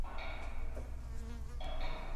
目前在全世界范围内都有养殖。